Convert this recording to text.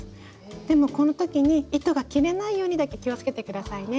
でもこの時に糸が切れないようにだけ気をつけて下さいね。